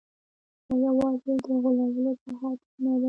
دا یوازې د غولولو په حد کې نه ده.